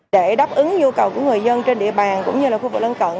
để đáp ứng nhu cầu của người dân trên địa bàn cũng như là khu vực lân cận